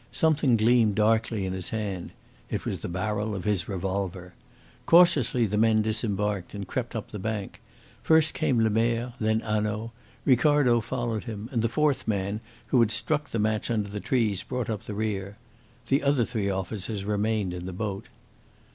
Something gleamed darkly in his hand. It was the barrel of his revolver. Cautiously the men disembarked and crept up the bank. First came Lemerre, then Hanaud; Ricardo followed him, and the fourth man, who had struck the match under the trees, brought up the rear. The other three officers remained in the boat.